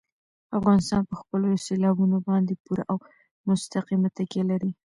افغانستان په خپلو سیلابونو باندې پوره او مستقیمه تکیه لري.